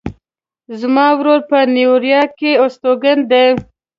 زما ورور په نیویارک کې استوګن ده